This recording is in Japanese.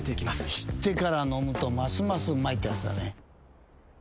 知ってから飲むとますますうまいってやつだね。